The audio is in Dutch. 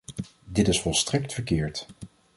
Dit is volstrekt verkeerd.